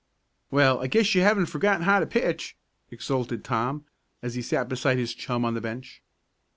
"Well, I guess you haven't forgotten how to pitch," exulted Tom, as he sat beside his chum on the bench.